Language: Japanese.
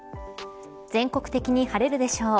全国的に晴れるでしょう。